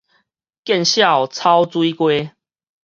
見笑草水雞